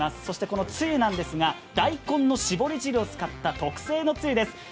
そしてこのつゆなんですが大根のしぼり汁を使った特製のつゆです。